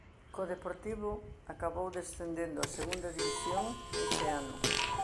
Co Deportivo acabou descendendo a Segunda División ese ano.